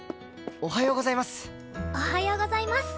おはようございます。